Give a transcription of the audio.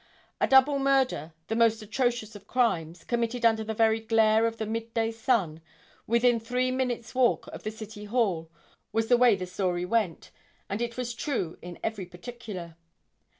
A double murder, the most atrocious of crimes, committed under the very glare of the mid day sun within three minutes walk of the City Hall was the way the story went and it was true in every particular.